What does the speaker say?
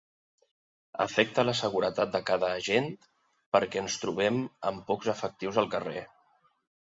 Afecta la seguretat de cada agent, perquè ens trobem amb pocs efectius al carrer.